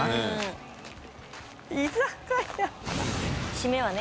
締めはね